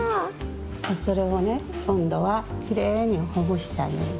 それをねこんどはきれいにほぐしてあげるの。